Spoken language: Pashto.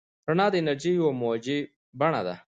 رڼا د انرژۍ یوه موجي بڼه ده.